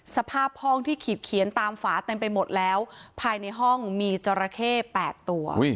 สภาพห้องที่ขีดเขียนตามฝาเต็มไปหมดแล้วภายในห้องมีจราเข้๘ตัว